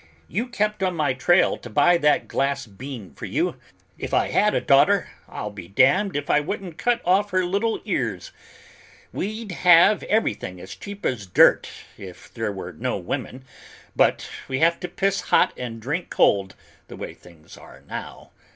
"You kept on my trail to buy that glass bean for you; if I had a daughter, I'll be damned if I wouldn't cut off her little ears. We'd have everything as cheap as dirt if there were no women, but we have to piss hot and drink cold, the way things are now."